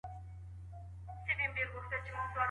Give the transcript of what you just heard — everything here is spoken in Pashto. په قلم خط لیکل د ستړیا په وخت کي ذهن بوخت ساتي.